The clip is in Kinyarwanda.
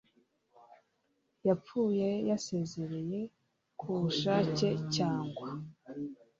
yapfuye yasezeye ku bushake cyangwa